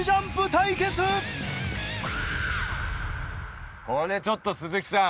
次はこれちょっと鈴木さん！